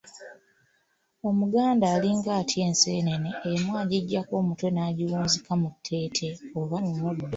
Omuganda alinga atya enseenene emu agiggyako omutwe n'agiwunzika mu tteete oba mu muddo.